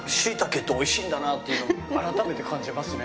っていうのを改めて感じますね。